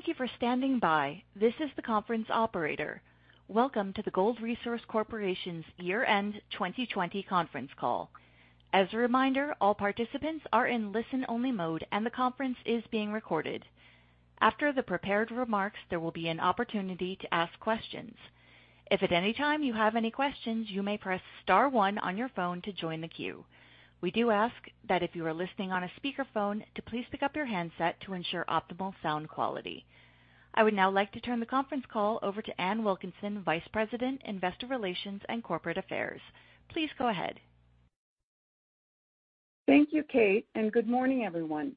Thank you for standing by. This is the conference operator. Welcome to the Gold Resource Corporation's year-end 2020 conference call. As a reminder, all participants are in listen-only mode, and the conference is being recorded. After the prepared remarks, there will be an opportunity to ask questions. If at any time you have any questions, you may press star one on your phone to join the queue. We do ask that if you are listening on a speakerphone, to please pick up your handset to ensure optimal sound quality. I would now like to turn the conference call over to Ann Wilkinson, Vice President, Investor Relations and Corporate Affairs. Please go ahead. Thank you, Kate, and good morning, everyone.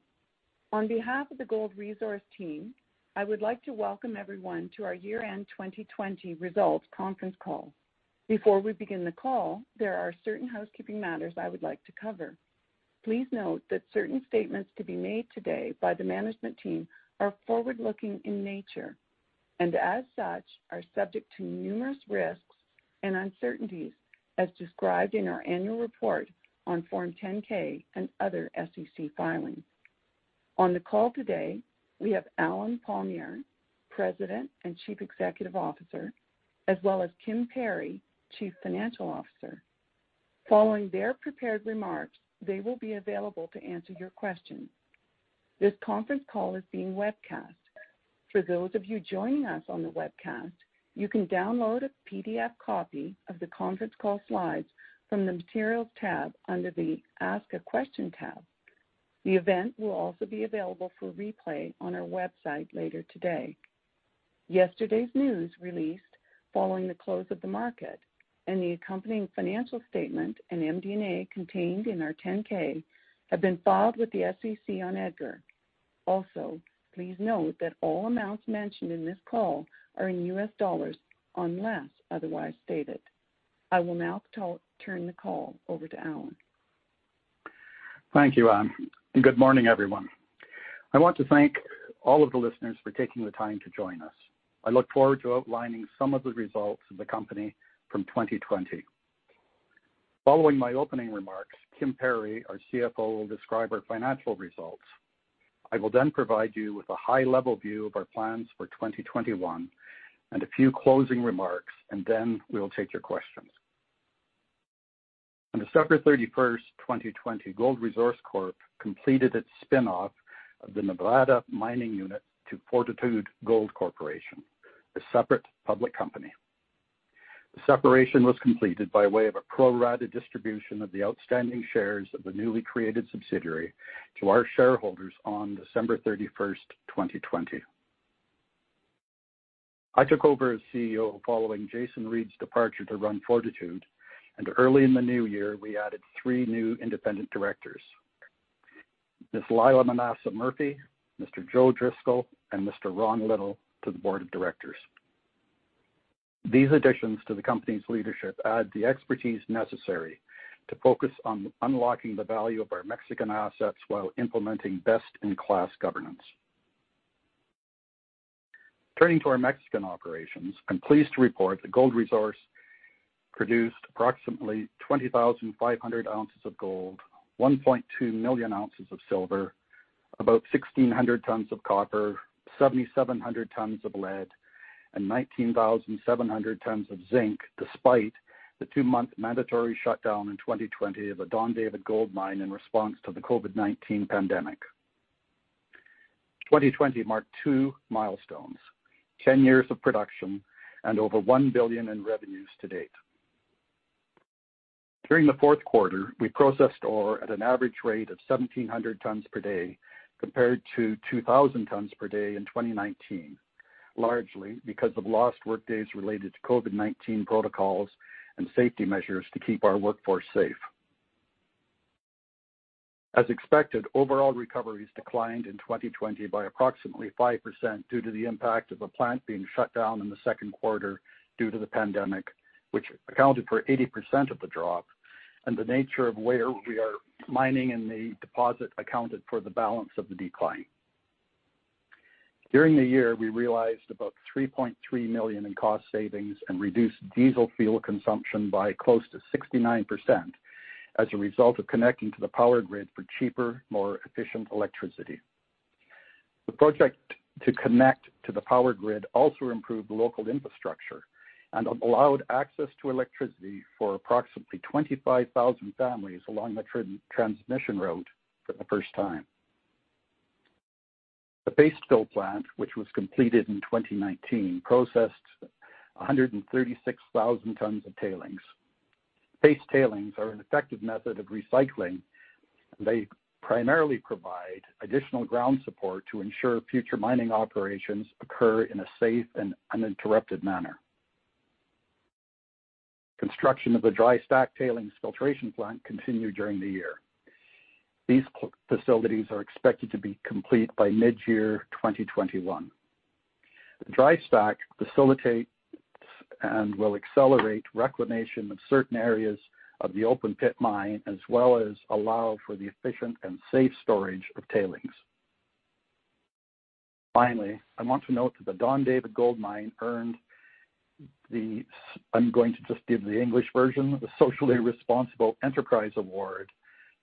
On behalf of the Gold Resource Team, I would like to welcome everyone to our year-end 2020 results conference call. Before we begin the call, there are certain housekeeping matters I would like to cover. Please note that certain statements to be made today by the management team are forward-looking in nature and, as such, are subject to numerous risks and uncertainties as described in our annual report on Form 10-K and other SEC filings. On the call today, we have Allen Palmiere, President and Chief Executive Officer, as well as Kim Perry, Chief Financial Officer. Following their prepared remarks, they will be available to answer your questions. This conference call is being webcast. For those of you joining us on the webcast, you can download a PDF copy of the conference call slides from the Materials tab under the Ask a Question tab. The event will also be available for replay on our website later today. Yesterday's news released following the close of the market, and the accompanying financial statement and MD&A contained in our 10-K have been filed with the SEC on EDGAR. Also, please note that all amounts mentioned in this call are in U.S. dollars unless otherwise stated. I will now turn the call over to Allen. Thank you, Ann. Good morning, everyone. I want to thank all of the listeners for taking the time to join us. I look forward to outlining some of the results of the company from 2020. Following my opening remarks, Kim Perry, our CFO, will describe our financial results. I will then provide you with a high-level view of our plans for 2021 and a few closing remarks, and then we'll take your questions. On December 31st, 2020, Gold Resource Corp. completed its spinoff of the Nevada Mining Unit to Fortitude Gold Corporation, a separate public company. The separation was completed by way of a pro-rata distribution of the outstanding shares of the newly created subsidiary to our shareholders on December 31st, 2020. I took over as CEO following Jason Reid's departure to run Fortitude, and early in the new year, we added three new independent directors: Ms. Lila Manasa Murphy, Mr. Joe Driscoll, and Mr. Ron Little to the board of directors. These additions to the company's leadership add the expertise necessary to focus on unlocking the value of our Mexican assets while implementing best-in-class governance. Turning to our Mexican operations, I'm pleased to report that Gold Resource produced approximately 20,500 ounces of gold, 1.2 million ounces of silver, about 1,600 tons of copper, 7,700 tons of lead, and 19,700 tons of zinc, despite the two-month mandatory shutdown in 2020 of the Don David Gold Mine in response to the COVID-19 pandemic. 2020 marked two milestones: 10 years of production and over $1 billion in revenues to date. During the fourth quarter, we processed ore at an average rate of 1,700 tons per day compared to 2,000 tons per day in 2019, largely because of lost workdays related to COVID-19 protocols and safety measures to keep our workforce safe. As expected, overall recoveries declined in 2020 by approximately 5% due to the impact of a plant being shut down in the second quarter due to the pandemic, which accounted for 80% of the drop, and the nature of where we are mining in the deposit accounted for the balance of the decline. During the year, we realized about $3.3 million in cost savings and reduced diesel fuel consumption by close to 69% as a result of connecting to the power grid for cheaper, more efficient electricity. The project to connect to the power grid also improved local infrastructure and allowed access to electricity for approximately 25,000 families along the transmission road for the first time. The paste tailings plant, which was completed in 2019, processed 136,000 tons of tailings. Paste tailings are an effective method of recycling, and they primarily provide additional ground support to ensure future mining operations occur in a safe and uninterrupted manner. Construction of the dry stack tailings filtration plant continued during the year. These facilities are expected to be complete by mid-year 2021. The dry stack facilitates and will accelerate reclamation of certain areas of the open-pit mine, as well as allow for the efficient and safe storage of tailings. Finally, I want to note that the Don David Gold Mine earned the—I am going to just give the English version—the Socially Responsible Enterprise Award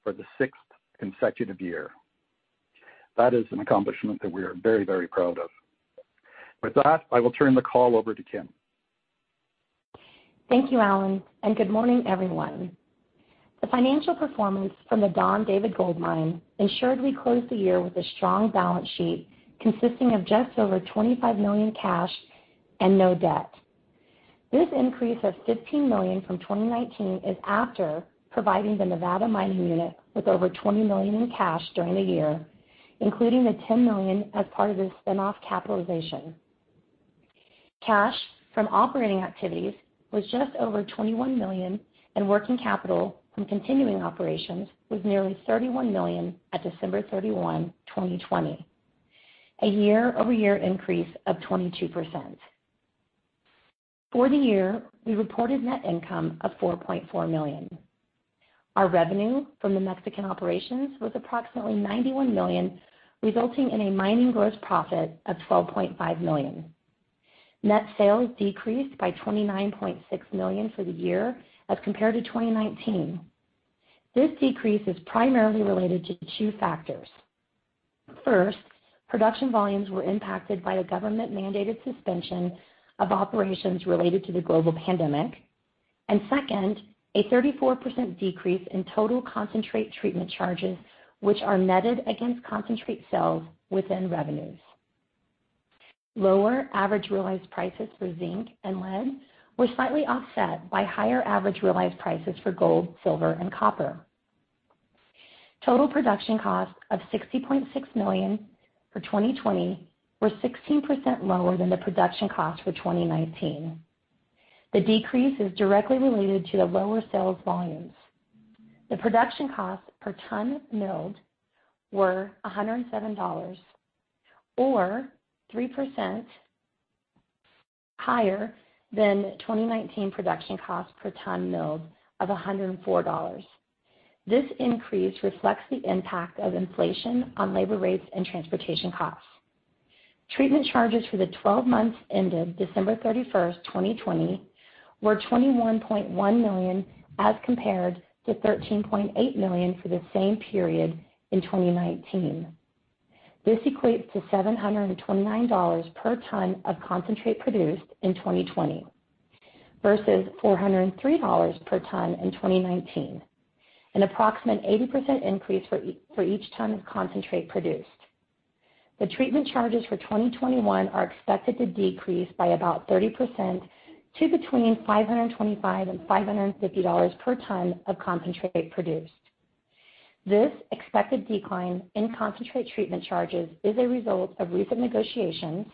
for the sixth consecutive year. That is an accomplishment that we are very, very proud of. With that, I will turn the call over to Kim. Thank you, Allen, and good morning, everyone. The financial performance from the Don David Gold Mine ensured we closed the year with a strong balance sheet consisting of just over $25 million cash and no debt. This increase of $15 million from 2019 is after providing the Nevada Mining Unit with over $20 million in cash during the year, including the $10 million as part of the spinoff capitalization. Cash from operating activities was just over $21 million, and working capital from continuing operations was nearly $31 million at December 31, 2020, a year-over-year increase of 22%. For the year, we reported net income of $4.4 million. Our revenue from the Mexican operations was approximately $91 million, resulting in a mining gross profit of $12.5 million. Net sales decreased by $29.6 million for the year as compared to 2019. This decrease is primarily related to two factors. First, production volumes were impacted by a government-mandated suspension of operations related to the global pandemic, and second, a 34% decrease in total concentrate treatment charges, which are netted against concentrate sales within revenues. Lower average realized prices for zinc and lead were slightly offset by higher average realized prices for gold, silver, and copper. Total production costs of $60.6 million for 2020 were 16% lower than the production costs for 2019. The decrease is directly related to the lower sales volumes. The production costs per ton milled were $107, or 3% higher than 2019 production costs per ton milled of $104. This increase reflects the impact of inflation on labor rates and transportation costs. Treatment charges for the 12 months ended December 31st, 2020, were $21.1 million as compared to $13.8 million for the same period in 2019. This equates to $729 per ton of concentrate produced in 2020 versus $403 per ton in 2019, an approximate 80% increase for each ton of concentrate produced. The treatment charges for 2021 are expected to decrease by about 30% to between $525 and $550 per ton of concentrate produced. This expected decline in concentrate treatment charges is a result of recent negotiations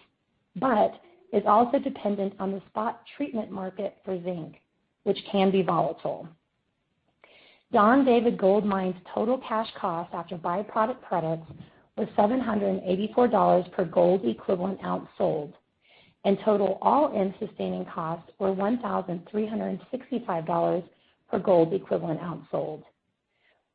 but is also dependent on the spot treatment market for zinc, which can be volatile. Don David Gold Mine's total cash cost after byproduct credits was $784 per gold equivalent ounce sold, and total all-in sustaining costs were $1,365 per gold equivalent ounce sold.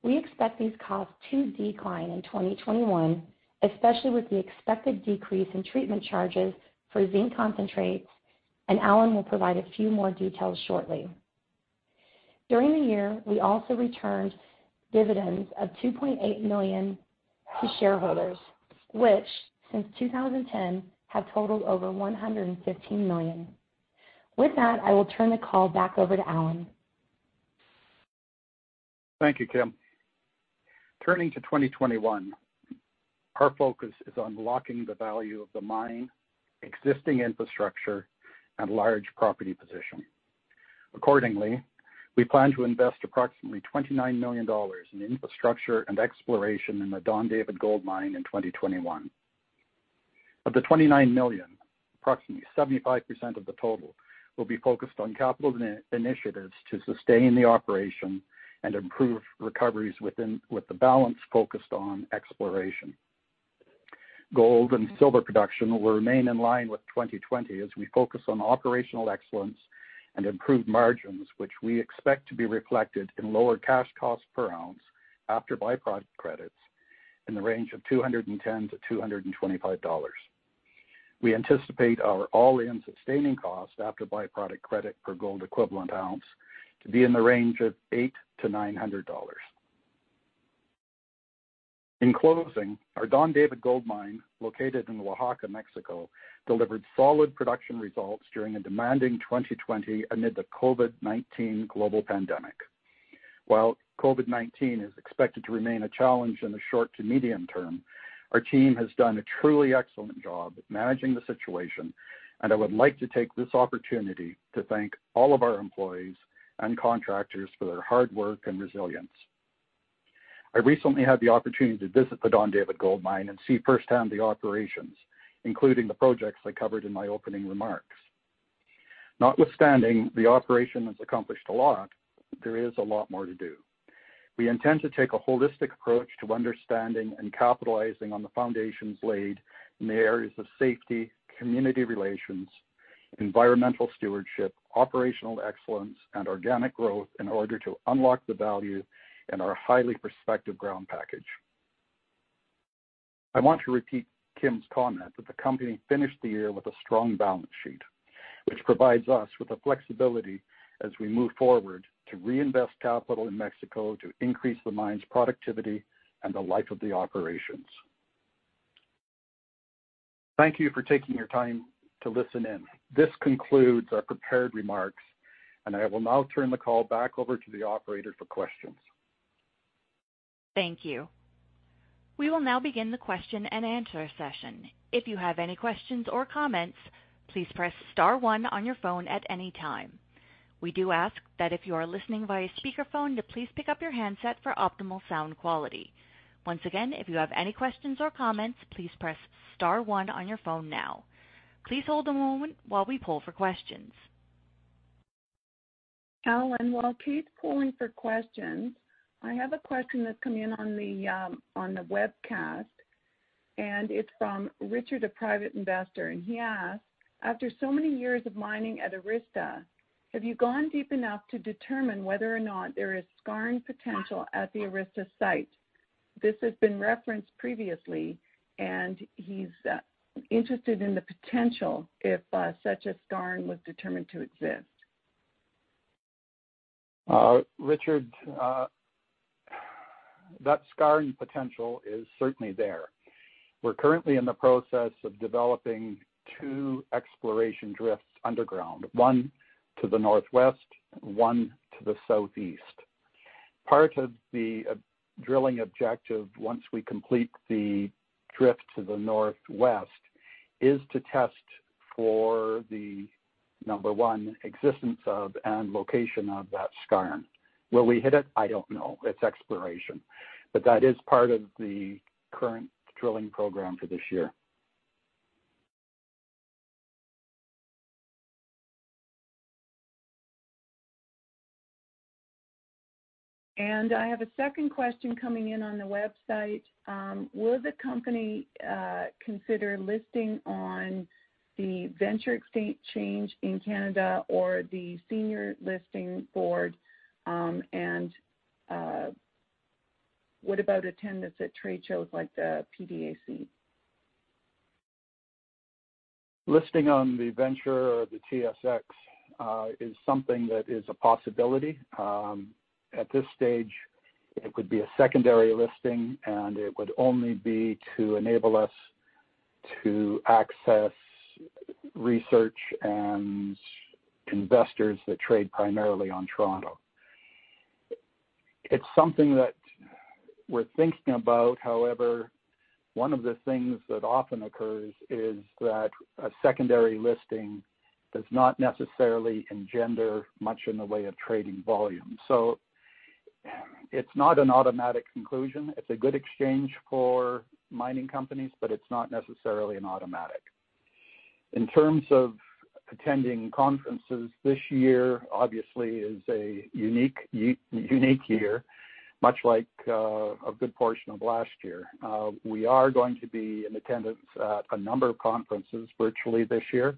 We expect these costs to decline in 2021, especially with the expected decrease in treatment charges for zinc concentrates, and Allen will provide a few more details shortly. During the year, we also returned dividends of $2.8 million to shareholders, which since 2010 have totaled over $115 million. With that, I will turn the call back over to Allen. Thank you, Kim. Turning to 2021, our focus is on locking the value of the mine, existing infrastructure, and large property position. Accordingly, we plan to invest approximately $29 million in infrastructure and exploration in the Don David Gold Mine in 2021. Of the $29 million, approximately 75% of the total will be focused on capital initiatives to sustain the operation and improve recoveries with the balance focused on exploration. Gold and silver production will remain in line with 2020 as we focus on operational excellence and improved margins, which we expect to be reflected in lower cash costs per ounce after byproduct credits in the range of $210-$225. We anticipate our all-in sustaining cost after byproduct credit per gold equivalent ounce to be in the range of $800-$900. In closing, our Don David Gold Mine, located in Oaxaca, Mexico, delivered solid production results during a demanding 2020 amid the COVID-19 global pandemic. While COVID-19 is expected to remain a challenge in the short to medium term, our team has done a truly excellent job managing the situation, and I would like to take this opportunity to thank all of our employees and contractors for their hard work and resilience. I recently had the opportunity to visit the Don David Gold Mine and see firsthand the operations, including the projects I covered in my opening remarks. Notwithstanding the operation has accomplished a lot, there is a lot more to do. We intend to take a holistic approach to understanding and capitalizing on the foundations laid in the areas of safety, community relations, environmental stewardship, operational excellence, and organic growth in order to unlock the value in our highly prospective ground package. I want to repeat Kim's comment that the company finished the year with a strong balance sheet, which provides us with the flexibility as we move forward to reinvest capital in Mexico to increase the mine's productivity and the life of the operations. Thank you for taking your time to listen in. This concludes our prepared remarks, and I will now turn the call back over to the operator for questions. Thank you. We will now begin the question and answer session. If you have any questions or comments, please press star one on your phone at any time. We do ask that if you are listening via speakerphone, to please pick up your handset for optimal sound quality. Once again, if you have any questions or comments, please press star one on your phone now. Please hold a moment while we pull for questions. Allen, while Kate's pulling for questions, I have a question that's coming in on the webcast, and it's from Richard, a private investor, and he asks, "After so many years of mining at Arista, have you gone deep enough to determine whether or not there is scarring potential at the Arista site? This has been referenced previously, and he's interested in the potential if such a scarring was determined to exist. Richard, that scarring potential is certainly there. We're currently in the process of developing two exploration drifts underground, one to the northwest and one to the southeast. Part of the drilling objective, once we complete the drift to the northwest, is to test for the, number one, existence of and location of that scarring. Will we hit it? I don't know. It's exploration. That is part of the current drilling program for this year. I have a second question coming in on the website. Will the company consider listing on the venture state change in Canada or the senior listing board? What about attendance at trade shows like the PDAC? Listing on the venture or the TSX is something that is a possibility. At this stage, it would be a secondary listing, and it would only be to enable us to access research and investors that trade primarily on Toronto. It's something that we're thinking about. However, one of the things that often occurs is that a secondary listing does not necessarily engender much in the way of trading volume. It's not an automatic conclusion. It's a good exchange for mining companies, but it's not necessarily an automatic. In terms of attending conferences, this year, obviously, is a unique year, much like a good portion of last year. We are going to be in attendance at a number of conferences virtually this year.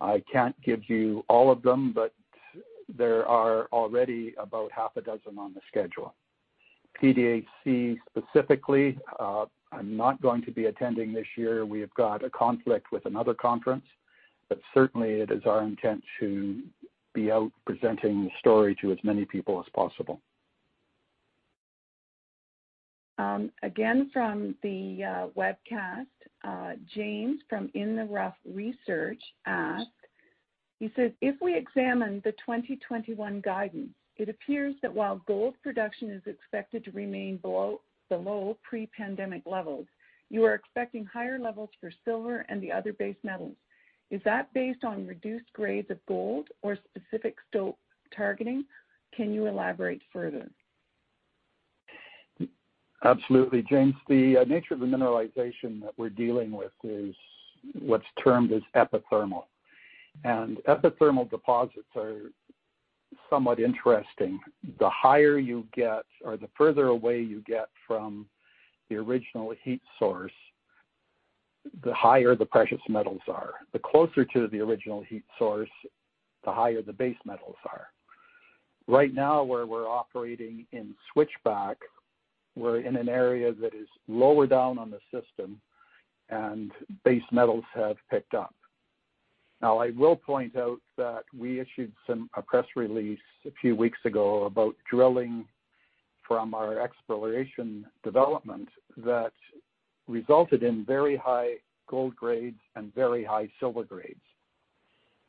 I can't give you all of them, but there are already about half a dozen on the schedule. PDAC, specifically, I'm not going to be attending this year. We have got a conflict with another conference, but certainly, it is our intent to be out presenting the story to as many people as possible. Again, from the webcast, James from in the rough research asked, he says, "If we examine the 2021 guidance, it appears that while gold production is expected to remain below pre-pandemic levels, you are expecting higher levels for silver and the other base metals. Is that based on reduced grades of gold or specific stope targeting? Can you elaborate further? Absolutely, James. The nature of the mineralization that we're dealing with is what's termed as epithermal. Epithermal deposits are somewhat interesting. The higher you get or the further away you get from the original heat source, the higher the precious metals are. The closer to the original heat source, the higher the base metals are. Right now, where we're operating in Switchback, we're in an area that is lower down on the system, and base metals have picked up. I will point out that we issued a press release a few weeks ago about drilling from our exploration development that resulted in very high gold grades and very high silver grades.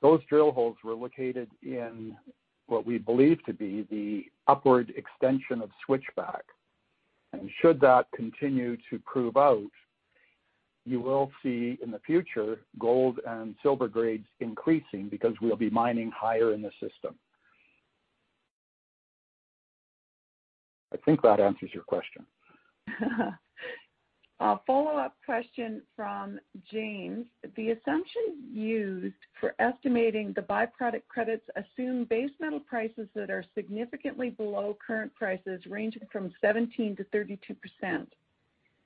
Those drill holes were located in what we believe to be the upward extension of Switchback. Should that continue to prove out, you will see in the future gold and silver grades increasing because we'll be mining higher in the system. I think that answers your question. A follow-up question from James. The assumptions used for estimating the byproduct credits assume base metal prices that are significantly below current prices, ranging from 17%-32%.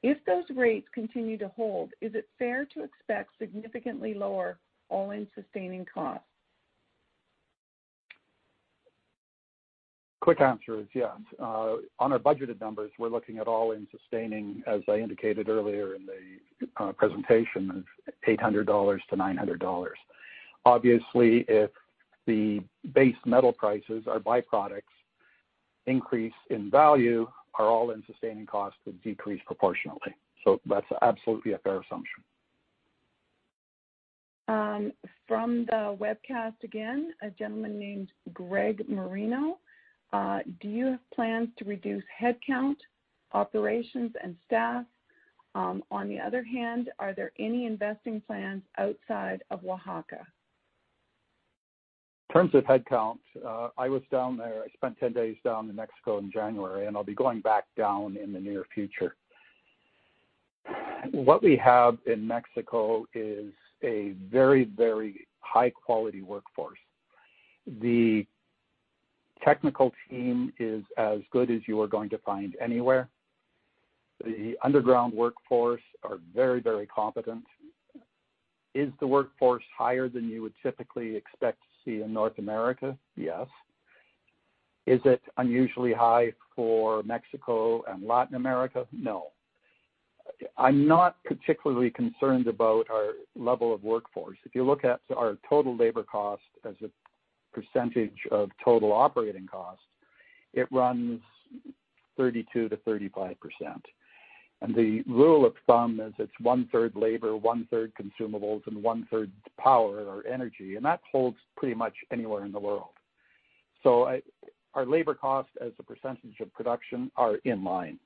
If those rates continue to hold, is it fair to expect significantly lower all-in sustaining costs? Quick answer is yes. On our budgeted numbers, we're looking at all-in sustaining, as I indicated earlier in the presentation, $800-$900. Obviously, if the base metal prices, our byproducts, increase in value, our all-in sustaining costs would decrease proportionally. That is absolutely a fair assumption. From the webcast again, a gentleman named Greg Marino, "Do you have plans to reduce headcount, operations, and staff? On the other hand, are there any investing plans outside of Oaxaca? In terms of headcount, I was down there. I spent 10 days down in Mexico in January, and I'll be going back down in the near future. What we have in Mexico is a very, very high-quality workforce. The technical team is as good as you are going to find anywhere. The underground workforce are very, very competent. Is the workforce higher than you would typically expect to see in North America? Yes. Is it unusually high for Mexico and Latin America? No. I'm not particularly concerned about our level of workforce. If you look at our total labor cost as a percentage of total operating cost, it runs 32%-35%. The rule of thumb is it's one-third labor, one-third consumables, and one-third power or energy, and that holds pretty much anywhere in the world. Our labor cost as a percentage of production are in line.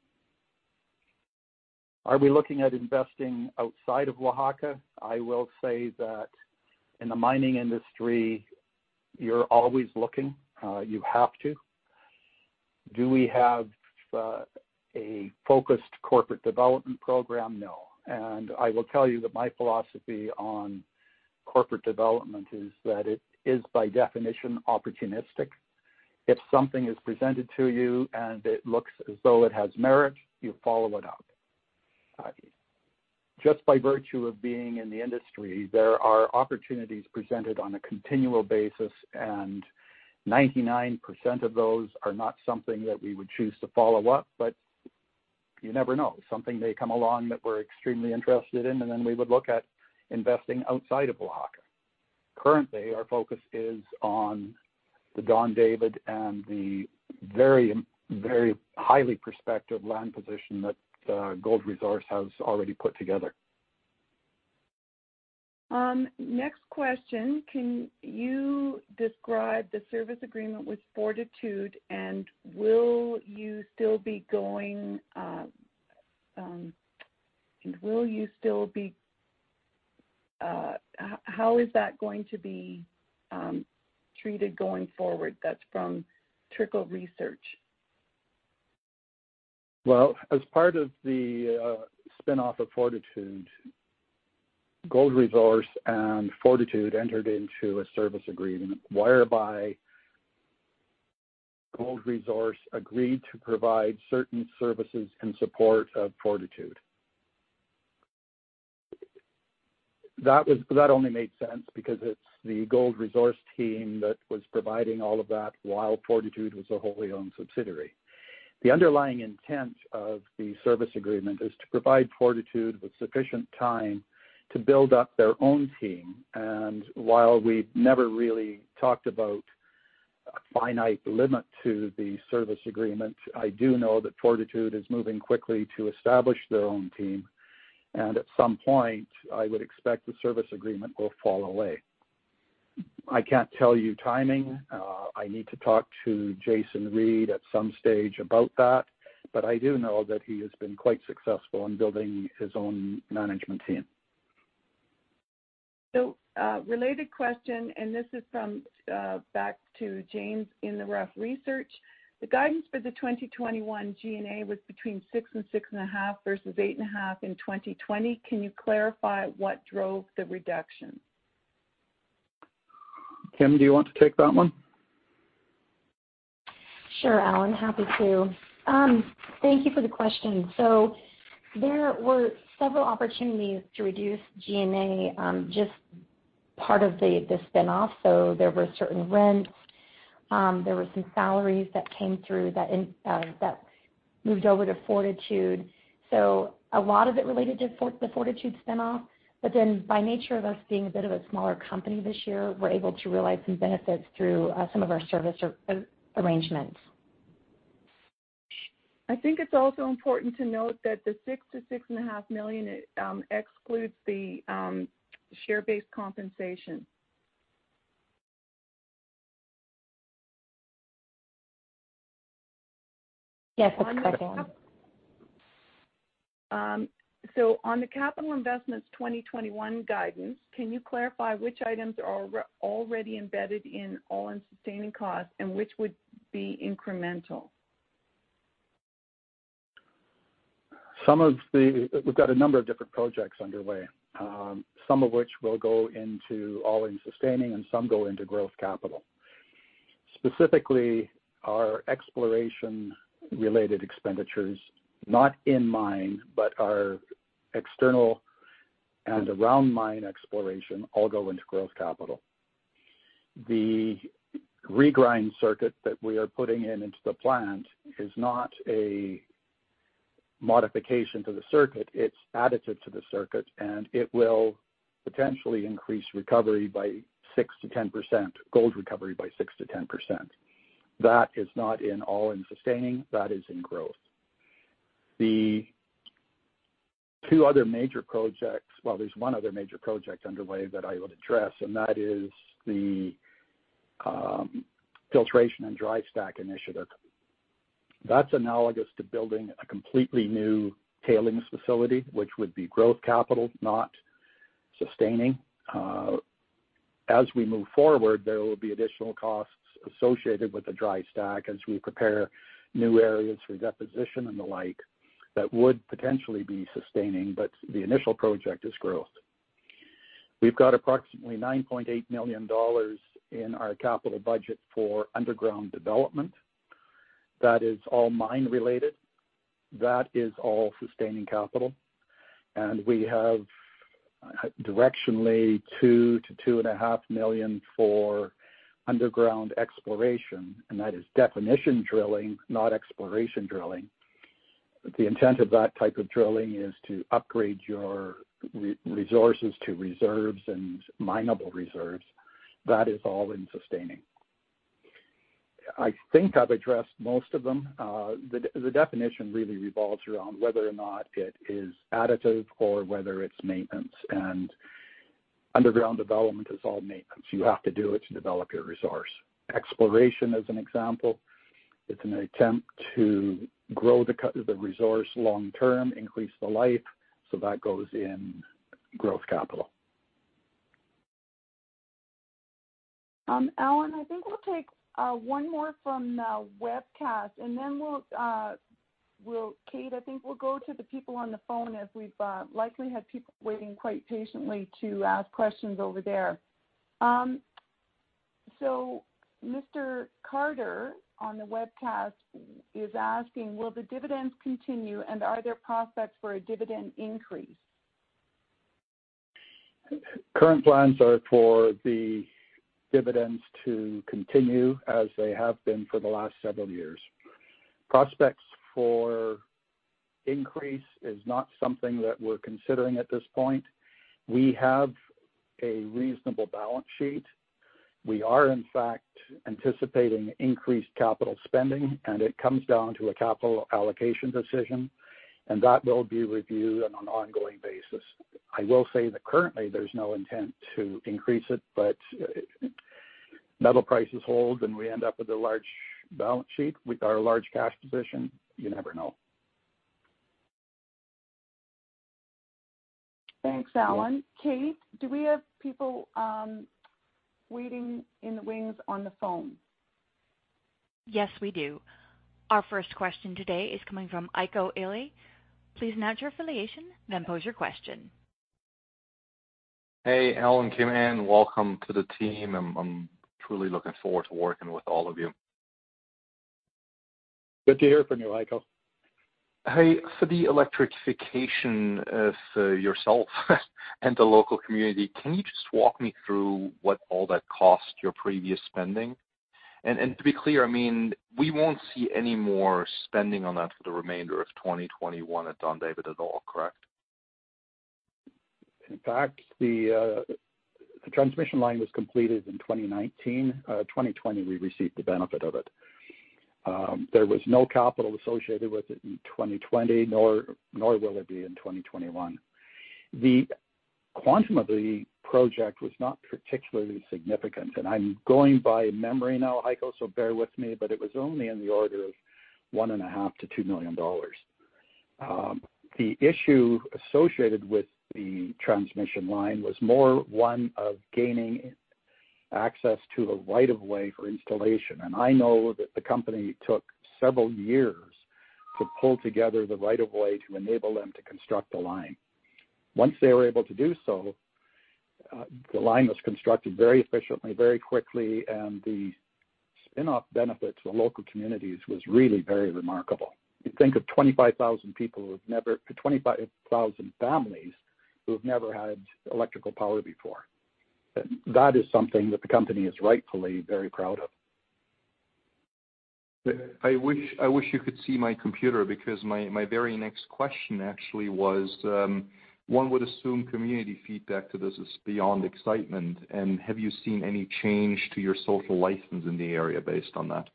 Are we looking at investing outside of Oaxaca? I will say that in the mining industry, you're always looking. You have to. Do we have a focused corporate development program? No. I will tell you that my philosophy on corporate development is that it is, by definition, opportunistic. If something is presented to you and it looks as though it has merit, you follow it up. Just by virtue of being in the industry, there are opportunities presented on a continual basis, and 99% of those are not something that we would choose to follow up, but you never know. Something may come along that we're extremely interested in, and then we would look at investing outside of Oaxaca. Currently, our focus is on the Don David and the very, very highly prospective land position that Gold Resource has already put together. Next question, "Can you describe the service agreement with Fortitude? And will you still be going? And will you still be how is that going to be treated going forward?" That is from Trickle Research. As part of the spinoff of Fortitude, Gold Resource and Fortitude entered into a service agreement whereby Gold Resource agreed to provide certain services in support of Fortitude. That only made sense because it is the Gold Resource team that was providing all of that while Fortitude was a wholly-owned subsidiary. The underlying intent of the service agreement is to provide Fortitude with sufficient time to build up their own team. While we have never really talked about a finite limit to the service agreement, I do know that Fortitude is moving quickly to establish their own team, and at some point, I would expect the service agreement will fall away. I cannot tell you timing. I need to talk to Jason Reed at some stage about that, but I do know that he has been quite successful in building his own management team. Related question, and this is from back to James in the rough research. "The guidance for the 2021 G&A was between 6% and 6.5% versus 8.5% in 2020. Can you clarify what drove the reduction? Kim, do you want to take that one? Sure, Allen. Happy to. Thank you for the question. There were several opportunities to reduce G&A just part of the spinoff. There were certain rents. There were some salaries that came through that moved over to Fortitude. A lot of it related to the Fortitude spinoff, but then by nature of us being a bit of a smaller company this year, we're able to realize some benefits through some of our service arrangements. I think it's also important to note that the $6 million to $6.5 million excludes the share-based compensation. Yes, that's correct, Allen. On the capital investments 2021 guidance, "Can you clarify which items are already embedded in all-in sustaining costs and which would be incremental? We've got a number of different projects underway, some of which will go into all-in sustaining and some go into growth capital. Specifically, our exploration-related expenditures, not in mine, but our external and around mine exploration all go into growth capital. The regrind circuit that we are putting in into the plant is not a modification to the circuit. It's additive to the circuit, and it will potentially increase recovery by 6%-10%, gold recovery by 6%-10%. That is not in all-in sustaining. That is in growth. The two other major projects—well, there's one other major project underway that I would address, and that is the filtration and dry stack initiative. That's analogous to building a completely new tailings facility, which would be growth capital, not sustaining. As we move forward, there will be additional costs associated with the dry stack as we prepare new areas for deposition and the like that would potentially be sustaining, but the initial project is growth. We've got approximately $9.8 million in our capital budget for underground development. That is all mine-related. That is all sustaining capital. We have directionally $2 million-$2.5 million for underground exploration, and that is definition drilling, not exploration drilling. The intent of that type of drilling is to upgrade your resources to reserves and minable reserves. That is all-in sustaining. I think I've addressed most of them. The definition really revolves around whether or not it is additive or whether it's maintenance. Underground development is all maintenance. You have to do it to develop your resource. Exploration, as an example, it's an attempt to grow the resource long-term, increase the life. That goes in growth capital. Allen, I think we'll take one more from the webcast, and then we'll—Kate, I think we'll go to the people on the phone as we've likely had people waiting quite patiently to ask questions over there. Mr. Carter on the webcast is asking, "Will the dividends continue? And are there prospects for a dividend increase? Current plans are for the dividends to continue as they have been for the last several years. Prospects for increase is not something that we're considering at this point. We have a reasonable balance sheet. We are, in fact, anticipating increased capital spending, and it comes down to a capital allocation decision, and that will be reviewed on an ongoing basis. I will say that currently, there's no intent to increase it, but metal prices hold, and we end up with a large balance sheet with our large cash position. You never know. Thanks, Allen. Kate, do we have people waiting in the wings on the phone? Yes, we do. Our first question today is coming from Heiko Ihle. Please announce your affiliation, then pose your question. Hey, Allen, Kim, and welcome to the team. I'm truly looking forward to working with all of you. Good to hear from you, Heiko. Hey, for the electrification for yourself and the local community, can you just walk me through what all that cost your previous spending? And to be clear, I mean, we won't see any more spending on that for the remainder of 2021 at Don David at all, correct? In fact, the transmission line was completed in 2019. In 2020, we received the benefit of it. There was no capital associated with it in 2020, nor will there be in 2021. The quantum of the project was not particularly significant, and I'm going by memory now, Heiko, so bear with me, but it was only in the order of $1.5 million-$2 million. The issue associated with the transmission line was more one of gaining access to a right-of-way for installation. I know that the company took several years to pull together the right-of-way to enable them to construct the line. Once they were able to do so, the line was constructed very efficiently, very quickly, and the spinoff benefit to the local communities was really very remarkable. You think of 25,000 people who have never—25,000 families who have never had electrical power before. That is something that the company is rightfully very proud of. I wish you could see my computer because my very next question actually was, one would assume community feedback to this is beyond excitement. Have you seen any change to your social license in the area based on that?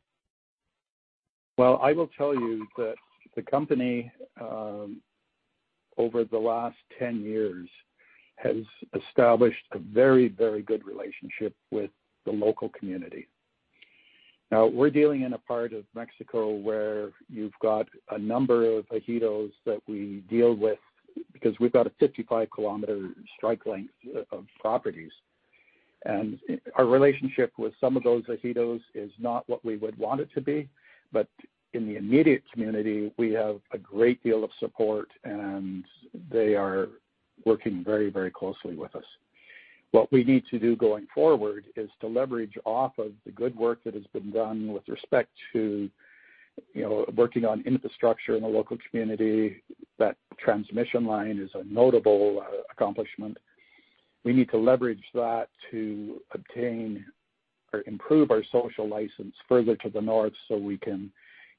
I will tell you that the company, over the last 10 years, has established a very, very good relationship with the local community. Now, we're dealing in a part of Mexico where you've got a number of ejidos that we deal with because we've got a 55 km strike length of properties. Our relationship with some of those ejidos is not what we would want it to be, but in the immediate community, we have a great deal of support, and they are working very, very closely with us. What we need to do going forward is to leverage off of the good work that has been done with respect to working on infrastructure in the local community. That transmission line is a notable accomplishment. We need to leverage that to obtain or improve our social license further to the north so we can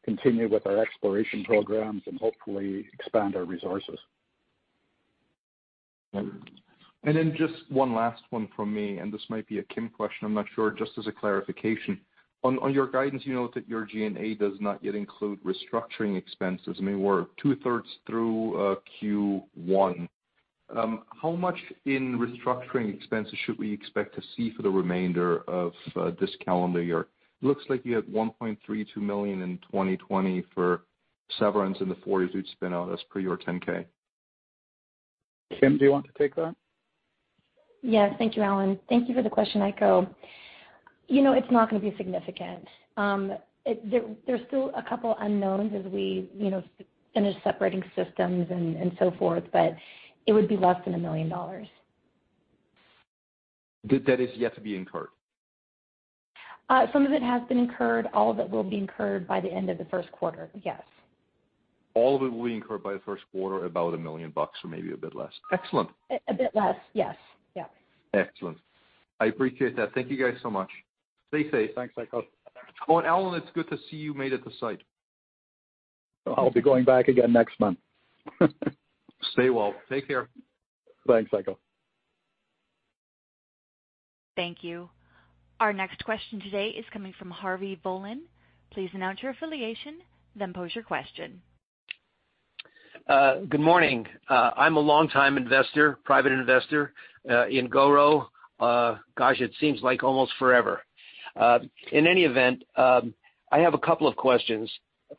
continue with our exploration programs and hopefully expand our resources. Just one last one from me, and this might be a Kim question. I'm not sure. Just as a clarification, on your guidance, you note that your G&A does not yet include restructuring expenses. I mean, we're two-thirds through Q1. How much in restructuring expenses should we expect to see for the remainder of this calendar year? It looks like you had $1.32 million in 2020 for severance and the Fortitude spinoff. That's per your 10K. Kim, do you want to take that? Yes, thank you, Allen. Thank you for the question, Heiko. It's not going to be significant. There's still a couple of unknowns as we finish separating systems and so forth, but it would be less than $1 million. That is yet to be incurred? Some of it has been incurred. All of it will be incurred by the end of the first quarter, yes. All of it will be incurred by the first quarter, about $1 million or maybe a bit less. Excellent. A bit less, yes. Yeah. Excellent. I appreciate that. Thank you guys so much. Stay safe. Thanks, Heiko. Oh, and Allen, it's good to see you made it to site. I'll be going back again next month. Stay well. Take care. Thanks, Heiko. Thank you. Our next question today is coming from Harvey Bowland. Please announce your affiliation, then pose your question. Good morning. I'm a long-time investor, private investor in GORO. Gosh, it seems like almost forever. In any event, I have a couple of questions.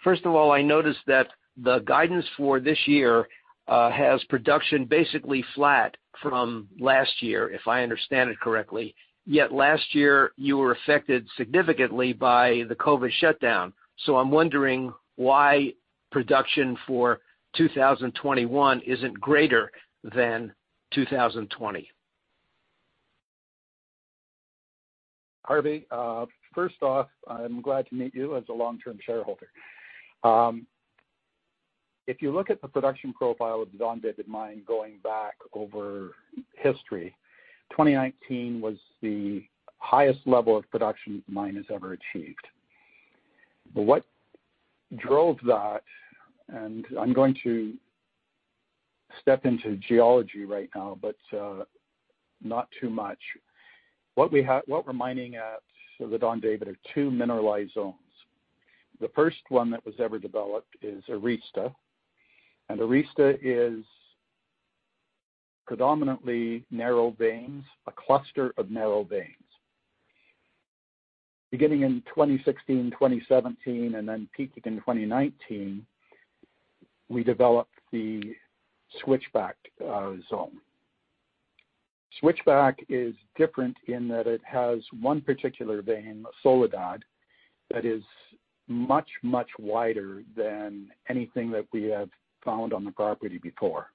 First of all, I noticed that the guidance for this year has production basically flat from last year, if I understand it correctly. Yet last year, you were affected significantly by the COVID shutdown. I'm wondering why production for 2021 isn't greater than 2020. Harvey, first off, I'm glad to meet you as a long-term shareholder. If you look at the production profile of the Don David mine going back over history, 2019 was the highest level of production the mine has ever achieved. What drove that? I'm going to step into geology right now, but not too much. What we're mining at the Don David are two mineralized zones. The first one that was ever developed is Arista. Arista is predominantly narrow veins, a cluster of narrow veins. Beginning in 2016, 2017, and then peaking in 2019, we developed the Switchback zone. Switchback is different in that it has one particular vein, Soledad, that is much, much wider than anything that we have found on the property before.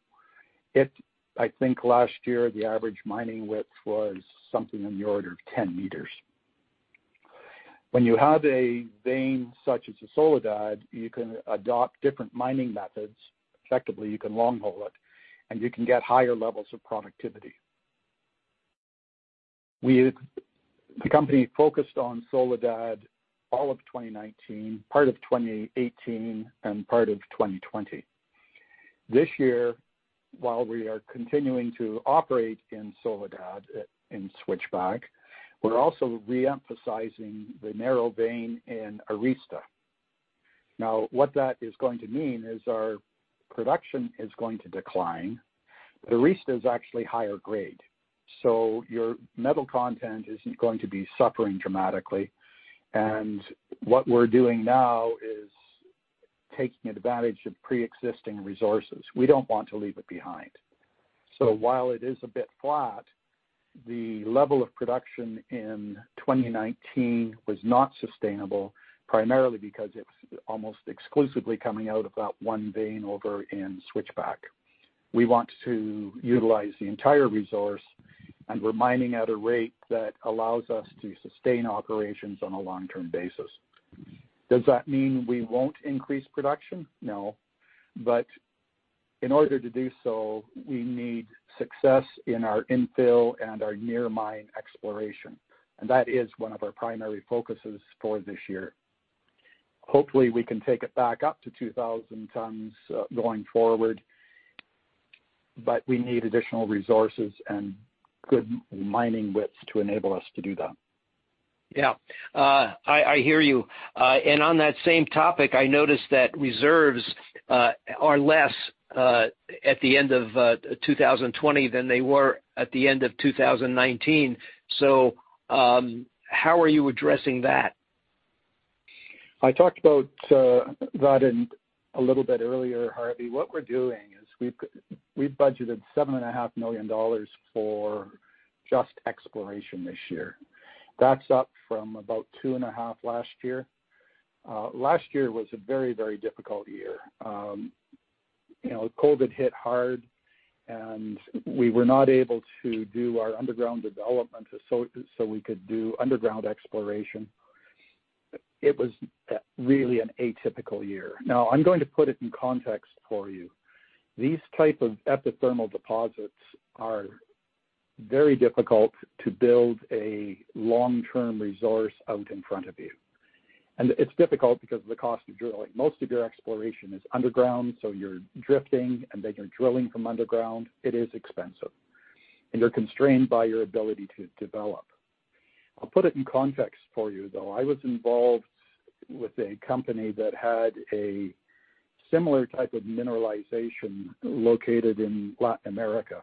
I think last year, the average mining width was something on the order of 10 meters. When you have a vein such as the Soledad, you can adopt different mining methods. Effectively, you can long-haul it, and you can get higher levels of productivity. The company focused on Soledad all of 2019, part of 2018, and part of 2020. This year, while we are continuing to operate in Soledad in Switchback, we're also reemphasizing the narrow vein in Arista. Now, what that is going to mean is our production is going to decline. Arista is actually higher grade. Your metal content is not going to be suffering dramatically. What we are doing now is taking advantage of pre-existing resources. We do not want to leave it behind. While it is a bit flat, the level of production in 2019 was not sustainable, primarily because it is almost exclusively coming out of that one vein over in switchback. We want to utilize the entire resource, and we're mining at a rate that allows us to sustain operations on a long-term basis. Does that mean we won't increase production? No. In order to do so, we need success in our infill and our near-mine exploration. That is one of our primary focuses for this year. Hopefully, we can take it back up to 2,000 tons going forward, but we need additional resources and good mining widths to enable us to do that. Yeah. I hear you. On that same topic, I noticed that reserves are less at the end of 2020 than they were at the end of 2019. How are you addressing that? I talked about that a little bit earlier, Harvey. What we're doing is we've budgeted $7.5 million for just exploration this year. That's up from about $2.5 million last year. Last year was a very, very difficult year. COVID hit hard, and we were not able to do our underground development so we could do underground exploration. It was really an atypical year. Now, I'm going to put it in context for you. These types of epithermal deposits are very difficult to build a long-term resource out in front of you. It's difficult because of the cost of drilling. Most of your exploration is underground, so you're drifting, and then you're drilling from underground. It is expensive. You're constrained by your ability to develop. I'll put it in context for you, though. I was involved with a company that had a similar type of mineralization located in Latin America.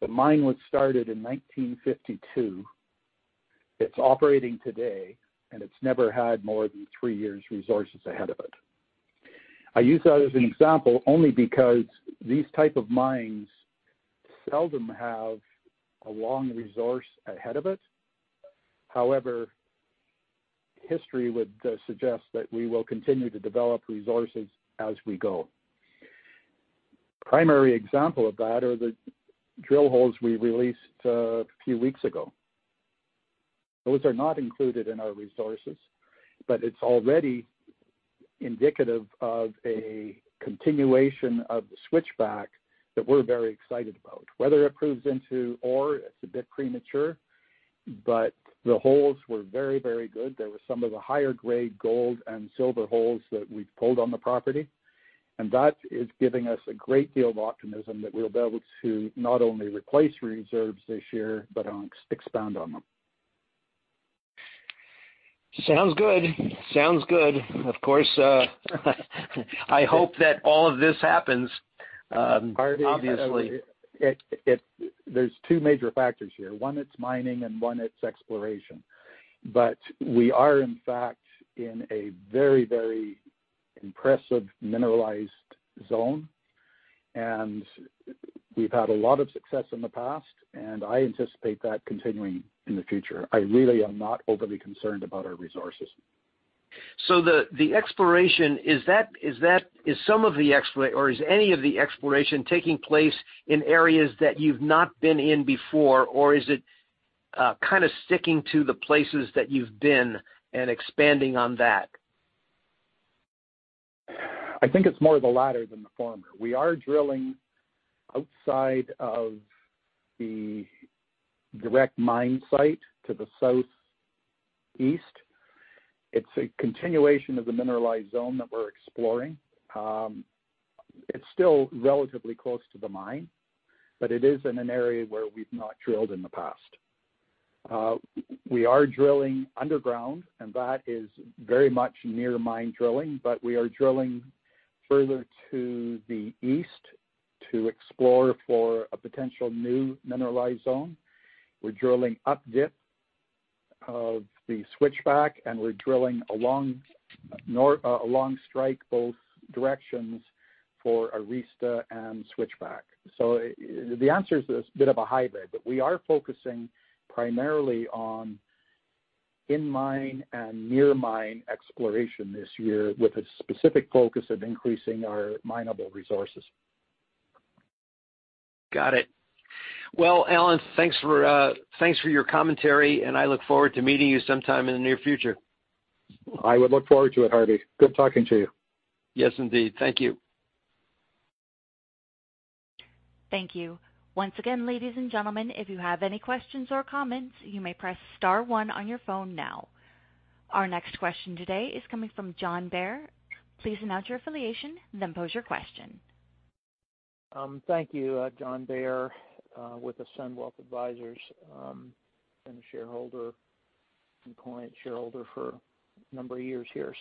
The mine was started in 1952. It's operating today, and it's never had more than three years' resources ahead of it. I use that as an example only because these types of mines seldom have a long resource ahead of it. However, history would suggest that we will continue to develop resources as we go. Primary example of that are the drill holes we released a few weeks ago. Those are not included in our resources, but it's already indicative of a continuation of the switchback that we're very excited about. Whether it proves into or it's a bit premature, but the holes were very, very good. There were some of the higher-grade gold and silver holes that we've pulled on the property. That is giving us a great deal of optimism that we'll be able to not only replace reserves this year, but expand on them. Sounds good. Sounds good. Of course, I hope that all of this happens, obviously. Harvey, there are two major factors here. One is mining, and one is exploration. We are, in fact, in a very, very impressive mineralized zone. We have had a lot of success in the past, and I anticipate that continuing in the future. I really am not overly concerned about our resources. The exploration, is that is some of the or is any of the exploration taking place in areas that you've not been in before, or is it kind of sticking to the places that you've been and expanding on that? I think it's more the latter than the former. We are drilling outside of the direct mine site to the southeast. It's a continuation of the mineralized zone that we're exploring. It's still relatively close to the mine, but it is in an area where we've not drilled in the past. We are drilling underground, and that is very much near-mine drilling, but we are drilling further to the east to explore for a potential new mineralized zone. We're drilling up-dip of the switchback, and we're drilling along strike both directions for Arista and Switchback. The answer is a bit of a hybrid, but we are focusing primarily on in-mine and near-mine exploration this year with a specific focus of increasing our minable resources. Got it. Allen, thanks for your commentary, and I look forward to meeting you sometime in the near future. I would look forward to it, Harvey. Good talking to you. Yes, indeed. Thank you. Thank you. Once again, ladies and gentlemen, if you have any questions or comments, you may press star one on your phone now. Our next question today is coming from John Bair. Please announce your affiliation, then pose your question. Thank you, John Bair, with Ascend Wealth Advisors. I've been a shareholder and client shareholder for a number of years here.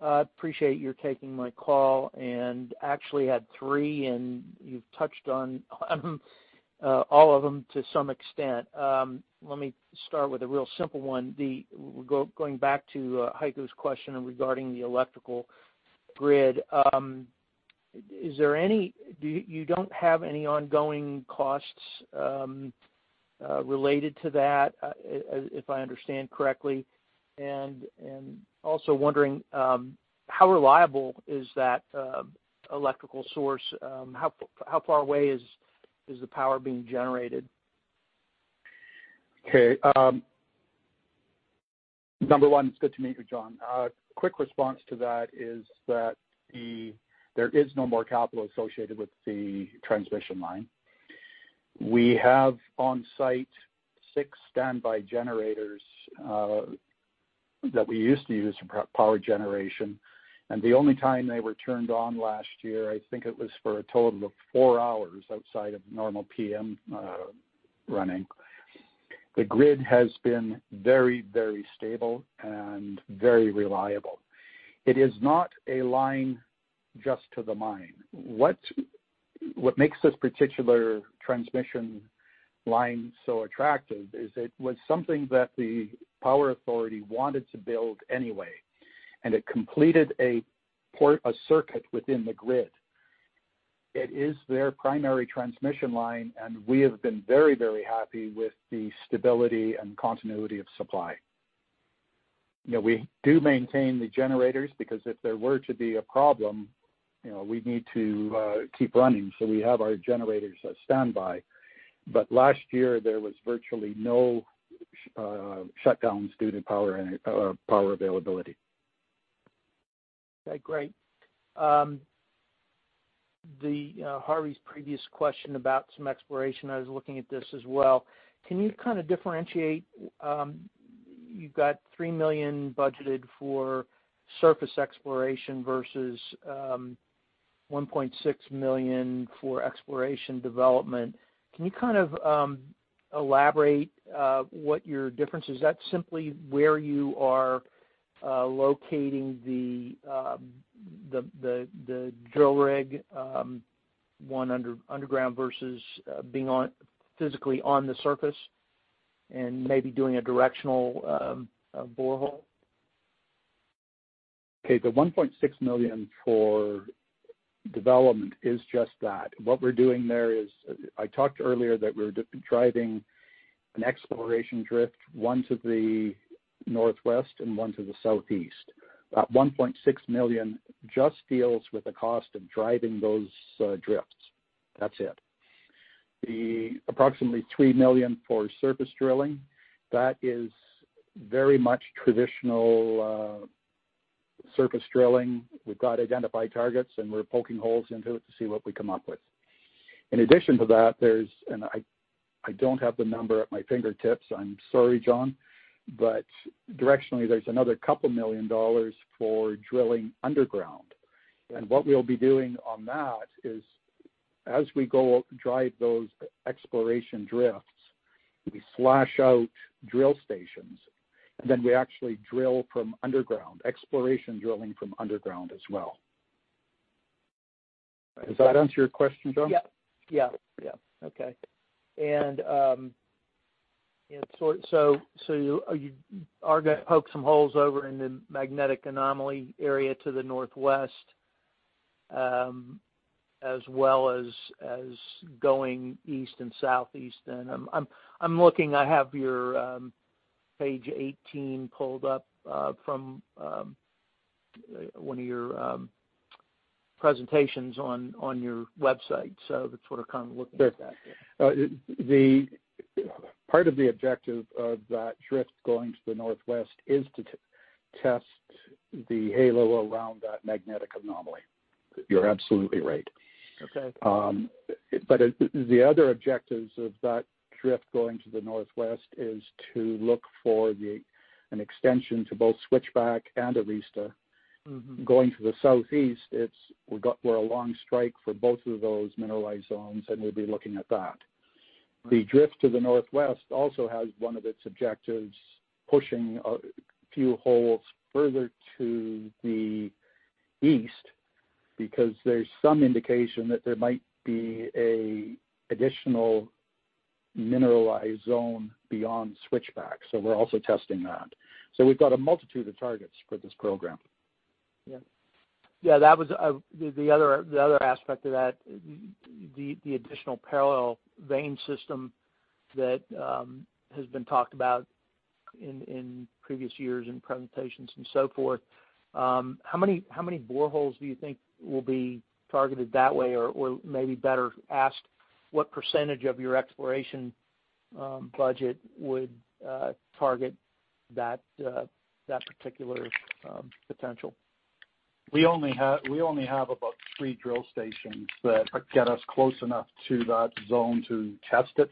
I appreciate your taking my call and actually had three, and you've touched on all of them to some extent. Let me start with a real simple one. Going back to Heiko's question regarding the electrical grid, is there any—do you don't have any ongoing costs related to that, if I understand correctly? I am also wondering, how reliable is that electrical source? How far away is the power being generated? Okay. Number one, it's good to meet you, John. Quick response to that is that there is no more capital associated with the transmission line. We have on-site six standby generators that we used to use for power generation. The only time they were turned on last year, I think it was for a total of four hours outside of normal PM running. The grid has been very, very stable and very reliable. It is not a line just to the mine. What makes this particular transmission line so attractive is it was something that the power authority wanted to build anyway, and it completed a circuit within the grid. It is their primary transmission line, and we have been very, very happy with the stability and continuity of supply. We do maintain the generators because if there were to be a problem, we need to keep running. We have our generators standby. Last year, there was virtually no shutdowns due to power availability. Okay. Great. Harvey's previous question about some exploration, I was looking at this as well. Can you kind of differentiate? You've got $3 million budgeted for surface exploration versus $1.6 million for exploration development. Can you kind of elaborate what your difference is? Is that simply where you are locating the drill rig, one underground versus being physically on the surface and maybe doing a directional borehole? Okay. The $1.6 million for development is just that. What we're doing there is I talked earlier that we're driving an exploration drift, one to the northwest and one to the southeast. That $1.6 million just deals with the cost of driving those drifts. That's it. The approximately $3 million for surface drilling, that is very much traditional surface drilling. We've got identified targets, and we're poking holes into it to see what we come up with. In addition to that, there's—and I don't have the number at my fingertips, I'm sorry, John—but directionally, there's another couple million dollars for drilling underground. And what we'll be doing on that is, as we go drive those exploration drifts, we flash out drill stations, and then we actually drill from underground, exploration drilling from underground as well. Does that answer your question, John? Yeah. Yeah. Yeah. Okay. You are going to poke some holes over in the magnetic anomaly area to the northwest as well as going east and southeast. I am looking—I have your page 18 pulled up from one of your presentations on your website. That is what I am kind of looking at. Sure. Part of the objective of that drift going to the northwest is to test the halo around that magnetic anomaly. You're absolutely right. The other objectives of that drift going to the northwest is to look for an extension to both Switchback and Arista. Going to the southeast, we're along strike for both of those mineralized zones, and we'll be looking at that. The drift to the northwest also has one of its objectives, pushing a few holes further to the east because there's some indication that there might be an additional mineralized zone beyond Switchback. We're also testing that. We've got a multitude of targets for this program. Yeah. Yeah. The other aspect of that, the additional parallel vein system that has been talked about in previous years and presentations and so forth, how many boreholes do you think will be targeted that way or maybe better asked what % of your exploration budget would target that particular potential? We only have about three drill stations that get us close enough to that zone to test it.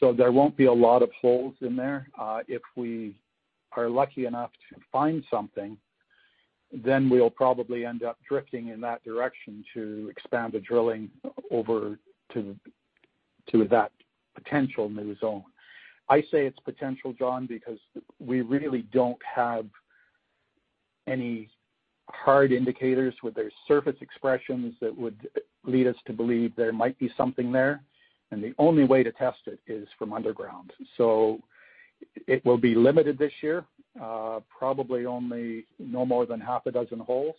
There will not be a lot of holes in there. If we are lucky enough to find something, we will probably end up drifting in that direction to expand the drilling over to that potential new zone. I say it is potential, John, because we really do not have any hard indicators with their surface expressions that would lead us to believe there might be something there. The only way to test it is from underground. It will be limited this year, probably no more than half a dozen holes.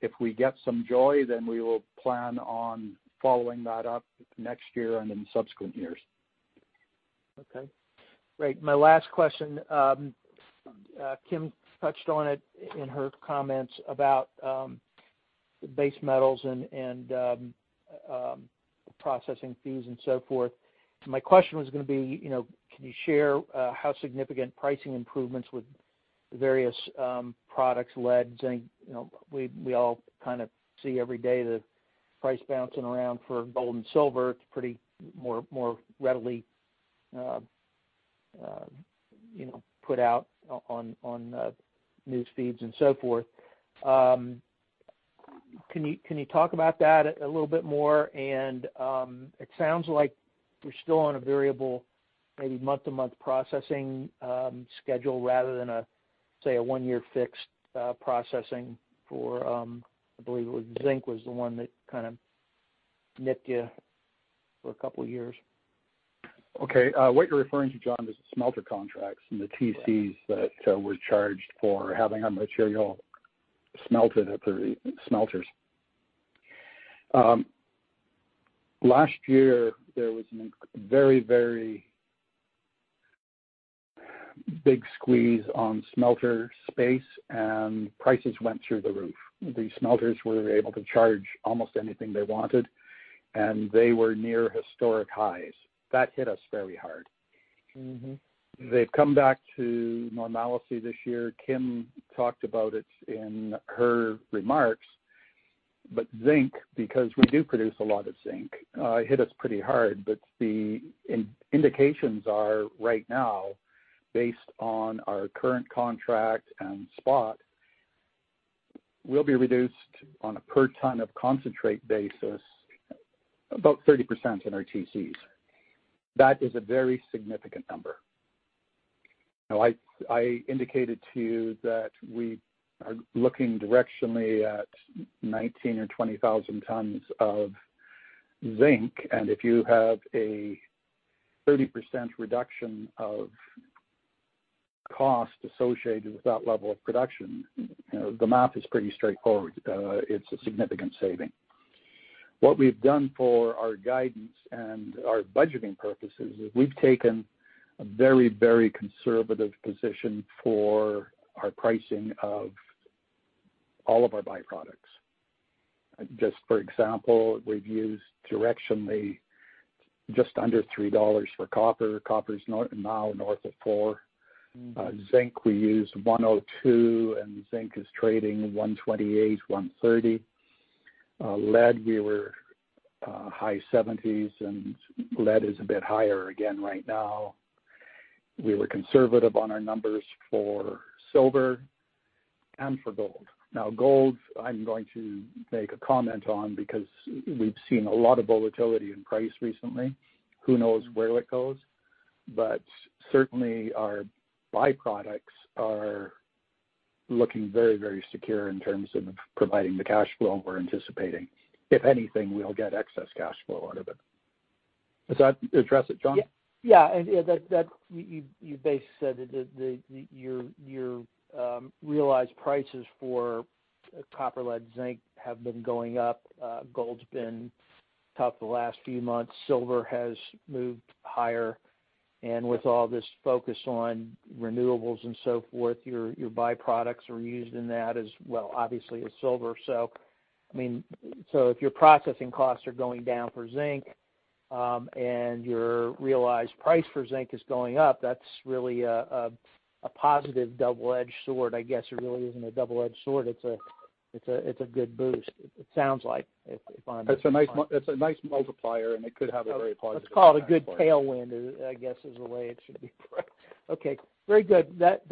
If we get some joy, we will plan on following that up next year and in subsequent years. Okay. Great. My last question. Kim touched on it in her comments about base metals and processing fees and so forth. My question was going to be, can you share how significant pricing improvements with various products led? We all kind of see every day the price bouncing around for gold and silver. It's pretty more readily put out on newsfeeds and so forth. Can you talk about that a little bit more? It sounds like you're still on a variable, maybe month-to-month processing schedule rather than, say, a one-year fixed processing for, I believe, it was zinc was the one that kind of nipped you for a couple of years. Okay. What you're referring to, John, is the smelter contracts and the TCs that were charged for having our material smelted at the smelters. Last year, there was a very, very big squeeze on smelter space, and prices went through the roof. The smelters were able to charge almost anything they wanted, and they were near historic highs. That hit us very hard. They've come back to normalcy this year. Kim talked about it in her remarks, but zinc, because we do produce a lot of zinc, hit us pretty hard. The indications are right now, based on our current contract and spot, we'll be reduced on a per ton of concentrate basis about 30% in our TCs. That is a very significant number. I indicated to you that we are looking directionally at 19,000 tons or 20,000 tons of zinc. If you have a 30% reduction of cost associated with that level of production, the math is pretty straightforward. It is a significant saving. What we have done for our guidance and our budgeting purposes is we have taken a very, very conservative position for our pricing of all of our byproducts. Just for example, we have used directionally just under $3 for copper. Copper is now north of 4. Zinc, we use 102, and zinc is trading 128, 130. Lead, we were high 70s, and lead is a bit higher again right now. We were conservative on our numbers for silver and for gold. Now, gold, I am going to make a comment on because we have seen a lot of volatility in price recently. Who knows where it goes? Certainly, our byproducts are looking very, very secure in terms of providing the cash flow we are anticipating. If anything, we'll get excess cash flow out of it. Does that address it, John? Yeah. Yeah. You basically said that your realized prices for copper, lead, zinc have been going up. Gold's been tough the last few months. Silver has moved higher. With all this focus on renewables and so forth, your byproducts are used in that as well, obviously, as silver. I mean, if your processing costs are going down for zinc and your realized price for zinc is going up, that's really a positive double-edged sword. I guess it really isn't a double-edged sword. It's a good boost, it sounds like, if I'm not mistaken. It's a nice multiplier, and it could have a very positive effect. It's called a good tailwind, I guess, is the way it should be. Okay. Very good. That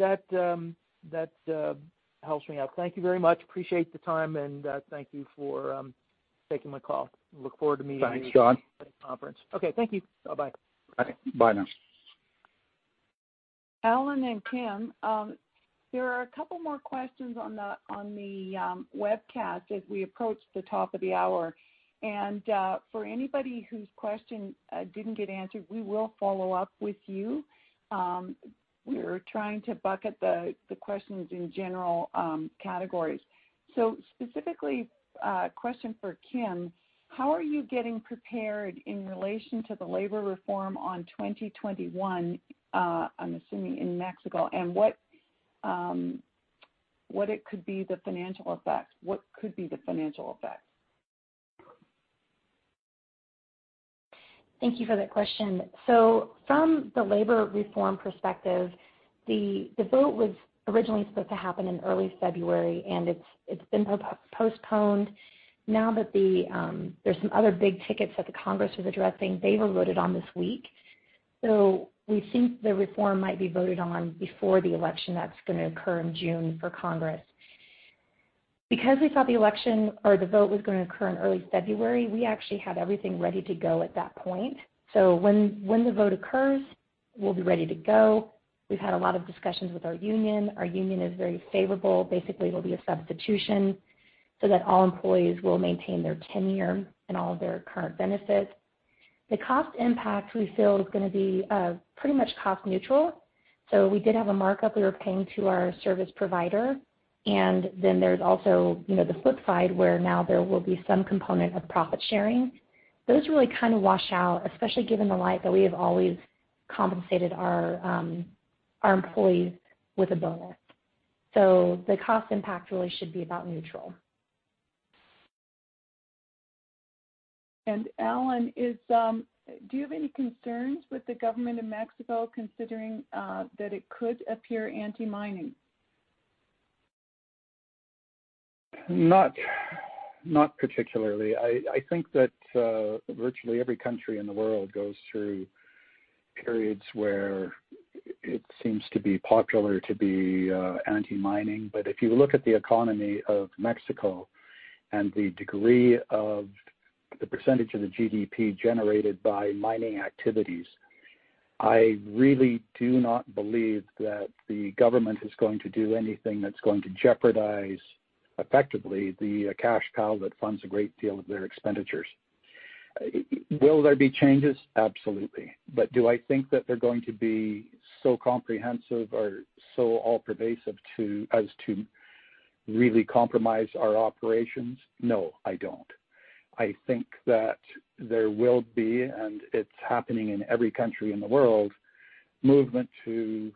helps me out. Thank you very much. Appreciate the time, and thank you for taking my call. Look forward to meeting you at the conference. Thanks, John. Okay. Thank you. Bye-bye. All right. Bye now. Allen and Kim, there are a couple more questions on the webcast as we approach the top of the hour. For anybody whose question did not get answered, we will follow up with you. We are trying to bucket the questions in general categories. Specifically, question for Kim, how are you getting prepared in relation to the labor reform on 2021, I am assuming, in Mexico, and what could be the financial effect? What could be the financial effect? Thank you for that question. From the labor reform perspective, the vote was originally supposed to happen in early February, and it's been postponed. Now that there are some other big tickets that the Congress was addressing, they were voted on this week. We think the reform might be voted on before the election that's going to occur in June for Congress. Because we thought the election or the vote was going to occur in early February, we actually had everything ready to go at that point. When the vote occurs, we'll be ready to go. We've had a lot of discussions with our union. Our union is very favorable. Basically, it'll be a substitution so that all employees will maintain their tenure and all of their current benefits. The cost impact, we feel, is going to be pretty much cost neutral. We did have a markup we were paying to our service provider. Then there is also the flip side where now there will be some component of profit sharing. Those really kind of wash out, especially given the light that we have always compensated our employees with a bonus. The cost impact really should be about neutral. Allen, do you have any concerns with the government of Mexico considering that it could appear anti-mining? Not particularly. I think that virtually every country in the world goes through periods where it seems to be popular to be anti-mining. If you look at the economy of Mexico and the degree of the percentage of the GDP generated by mining activities, I really do not believe that the government is going to do anything that's going to jeopardize effectively the cash cow that funds a great deal of their expenditures. Will there be changes? Absolutely. Do I think that they're going to be so comprehensive or so all-pervasive as to really compromise our operations? No, I don't. I think that there will be, and it's happening in every country in the world, movement to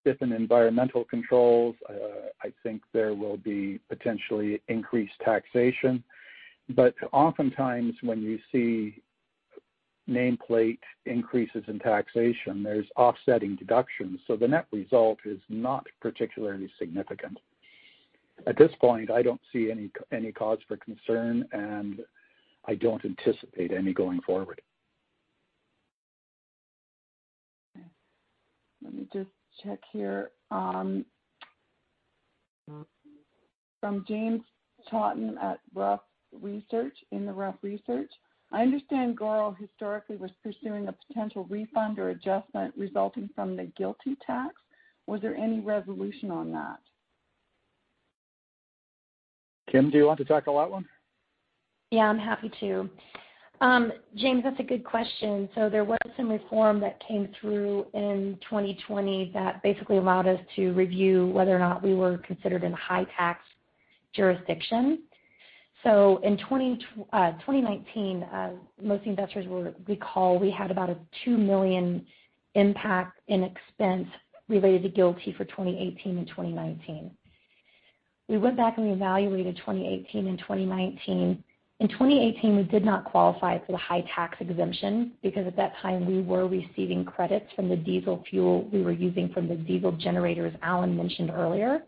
stiffen environmental controls. I think there will be potentially increased taxation. Oftentimes, when you see nameplate increases in taxation, there's offsetting deductions. The net result is not particularly significant. At this point, I don't see any cause for concern, and I don't anticipate any going forward. Let me just check here. From James Totten at rough research, I understand GORO historically was pursuing a potential refund or adjustment resulting from the GILTI tax. Was there any resolution on that? Kim, do you want to tackle that one? Yeah, I'm happy to. James, that's a good question. There was some reform that came through in 2020 that basically allowed us to review whether or not we were considered in a high-tax jurisdiction. In 2019, most investors will recall we had about a $2 million impact in expense related to GILTI for 2018 and 2019. We went back and we evaluated 2018 and 2019. In 2018, we did not qualify for the high-tax exemption because at that time, we were receiving credits from the diesel fuel we were using from the diesel generators Allen mentioned earlier.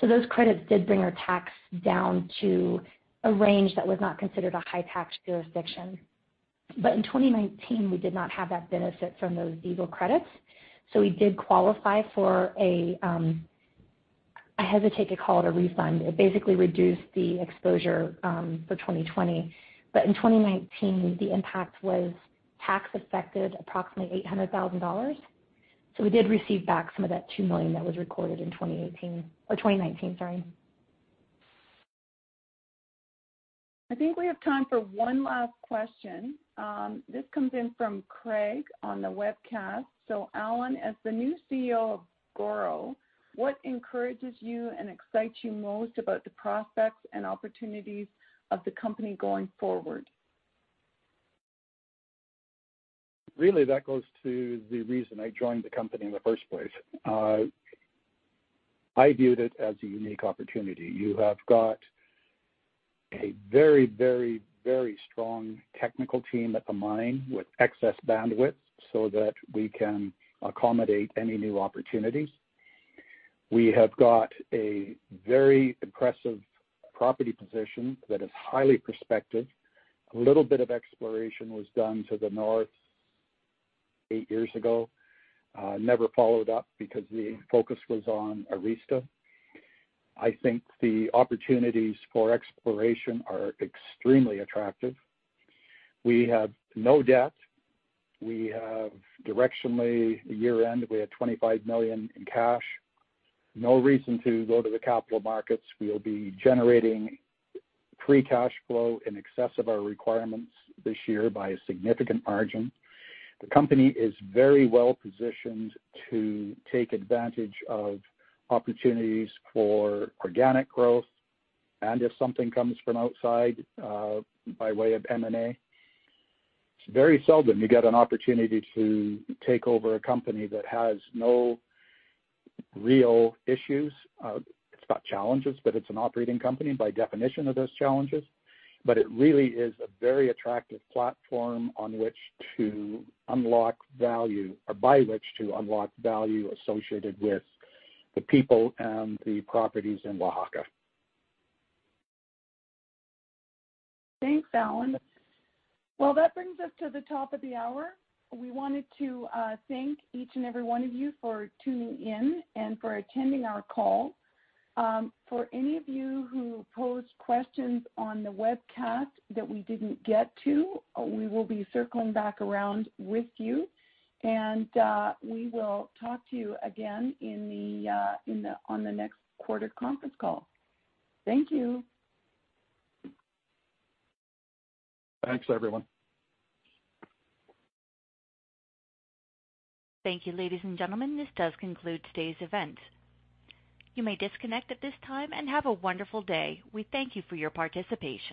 Those credits did bring our tax down to a range that was not considered a high-tax jurisdiction. In 2019, we did not have that benefit from those diesel credits. We did qualify for a—I hesitate to call it a refund. It basically reduced the exposure for 2020. In 2019, the impact was tax-affected approximately $800,000. We did receive back some of that $2 million that was recorded in 2018 or 2019, sorry. I think we have time for one last question. This comes in from Craig on the webcast. Allen, as the new CEO of GORO, what encourages you and excites you most about the prospects and opportunities of the company going forward? Really, that goes to the reason I joined the company in the first place. I viewed it as a unique opportunity. You have got a very, very, very strong technical team at the mine with excess bandwidth so that we can accommodate any new opportunities. We have got a very impressive property position that is highly prospective. A little bit of exploration was done to the north eight years ago, never followed up because the focus was on Arista. I think the opportunities for exploration are extremely attractive. We have no debt. We have directionally year-end, we had $25 million in cash. No reason to go to the capital markets. We'll be generating free cash flow in excess of our requirements this year by a significant margin. The company is very well positioned to take advantage of opportunities for organic growth. If something comes from outside by way of M&A, it's very seldom you get an opportunity to take over a company that has no real issues. It's not challenges, but it's an operating company by definition of those challenges. It really is a very attractive platform on which to unlock value or by which to unlock value associated with the people and the properties in Oaxaca. Thanks, Allen. That brings us to the top of the hour. We wanted to thank each and every one of you for tuning in and for attending our call. For any of you who posed questions on the webcast that we did not get to, we will be circling back around with you. We will talk to you again on the next quarter conference call. Thank you. Thanks, everyone. Thank you, ladies and gentlemen. This does conclude today's event. You may disconnect at this time and have a wonderful day. We thank you for your participation.